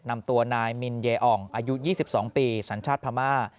นำตัวนายมินเยอ่องอายุ๒๒ปีสัญชาติพม่า